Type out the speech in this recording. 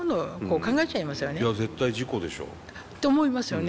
いや絶対事故でしょ。と思いますよね。